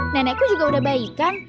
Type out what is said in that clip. nenekku juga udah baik kan